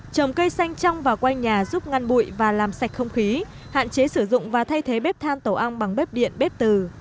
trồng cây xanh trong và quanh nhà giúp ngăn bụi và làm sạch không khí hạn chế sử dụng và thay thế bếp than tổ ong bằng bếp điện bếp từ